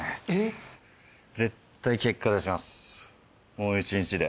もう１日で。